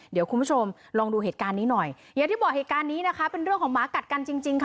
เดี๋ยวคุณผู้ชมลองดูเหตุการณ์นี้หน่อยอย่างที่บอกเหตุการณ์นี้นะคะเป็นเรื่องของหมากัดกันจริงจริงค่ะ